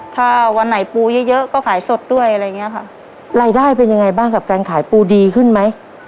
ถ้าวันไหนปูเยอะเยอะก็ขายสดด้วยอะไรอย่างเงี้ยค่ะรายได้เป็นยังไงบ้างกับการขายปูดีขึ้นไหม